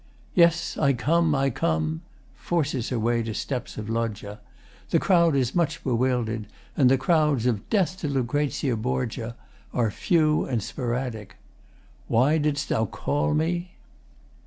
] Yes, I come, I come! [Forces her way to steps of Loggia. The crowd is much bewildered, and the cries of 'Death to Lucrezia Borgia!' are few and sporadic.] Why didst thou call me?